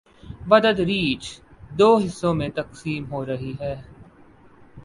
، بتدریج دو حصوں میں تقسیم ہورہی ہی۔